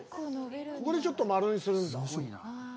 ここでちょっと丸にするんだ。